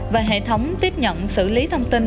và hệ thống tiếp nhận xử lý thông tin